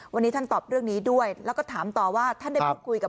วันนี้ท่านตอบเรื่องนี้ด้วยแล้วก็ถามต่อว่าท่านได้พูดคุยกับ